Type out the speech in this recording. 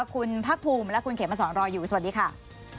คุณภาคภูมิและคุณเขมสอนรออยู่สวัสดีค่ะ